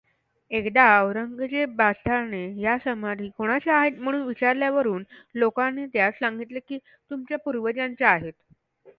एकदांऔरंगजेबबादशहाने ह्या समाधी कोणाच्या आहेत म्हणून विचारल्यावरून लोकांनीं त्यास सांगितले कीं, तुमच्या पूर्वजांच्या आहेत.